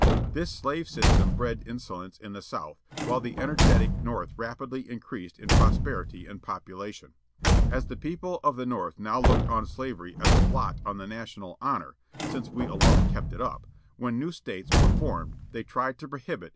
This slave system bred insolence in the South, while the energetic North rapidly increased in prosperity and population. As the people of the North now looked on slavery as a blot on the national honour â since we v alone kept it up â ^when new states were formed they tried to prohibit